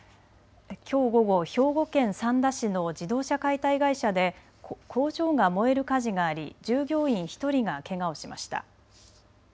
きょう午後、兵庫県三田市の自動車解体会社で工場が燃える火事があり従業員１人がけがをしました。